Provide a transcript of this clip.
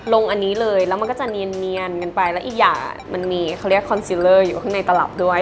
ลงอันนี้เลยแล้วมันก็จะเนียนกันไปแล้วอีกอย่างมันมีเขาเรียกคอนซิลเลอร์อยู่ข้างในตลับด้วย